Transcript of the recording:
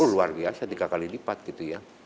luar biasa tiga kali lipat gitu ya